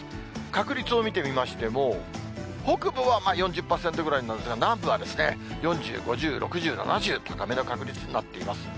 確率を見てみましても、北部は４０％ぐらいなんですが、南部は４０、５０、６０、７０、高めの確率となっています。